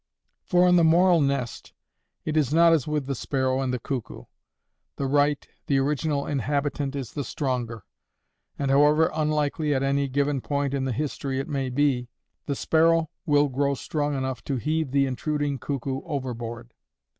For in the moral nest, it is not as with the sparrow and the cuckoo. The right, the original inhabitant is the stronger; and, however unlikely at any given point in the history it may be, the sparrow will grow strong enough to heave the intruding cuckoo overboard.